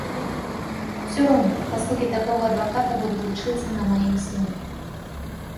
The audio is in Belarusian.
Усё роўна паслугі такога адваката будуць лічыцца на маім сыне.